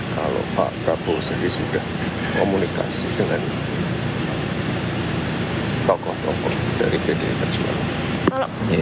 kalau pak prabowo sendiri sudah komunikasi dengan tokoh tokoh dari pdi perjuangan